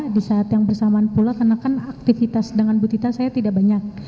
di saat yang bersamaan pula karena kan aktivitas dengan butita saya tidak banyak